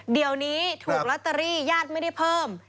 เดี๋ยวนี้ถูกลอตเตอรี่ญาติไม่ได้เพิ่ม